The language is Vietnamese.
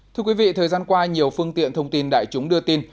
thưa quý vị thời gian qua nhiều phương tiện thông tin đại chúng đưa tin